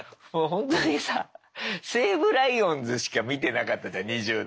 ほんとにさ西武ライオンズしか見てなかったじゃん２０代。